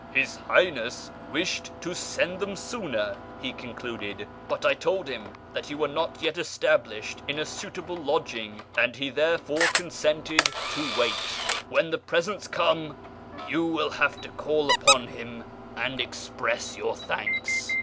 " His Highness wished to send them sooner," he concluded, " but I told him that you were not yet established in a suitable lodging, and he therefore consented to wait. When the presents come, you will have to call upon him and express your thanks."